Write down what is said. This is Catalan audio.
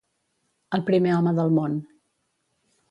El primer home del món.